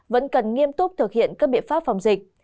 vẫn cần nghiêm túc thực hiện các biện pháp phòng dịch